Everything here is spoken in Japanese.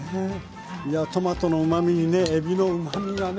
トマトのうまみにねえびのうまみがね